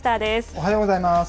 おはようございます。